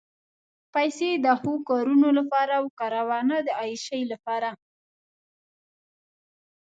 پېسې د ښو کارونو لپاره وکاروه، نه د عیاشۍ لپاره.